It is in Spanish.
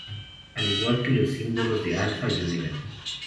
Al igual que los símbolos de Alfa y Omega.